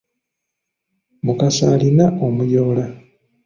Mukasa alina omuyoola.